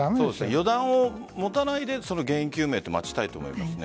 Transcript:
油断を持たないで原因究明を待ちたいと思います。